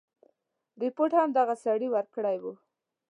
رپوټ هم دغه سړي ورکړی وو.